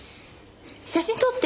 「写真撮って！」